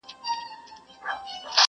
وجود به پاک کړو له کینې او له تعصبه یاره،